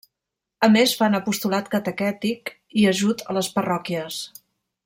A més, fan apostolat catequètic i ajut a les parròquies.